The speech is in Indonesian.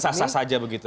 sudah sah sah saja begitu